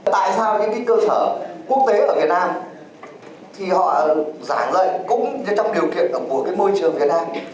tại sao cơ sở quốc tế ở việt nam thì họ giảng dạy cũng trong điều kiện của môi trường việt nam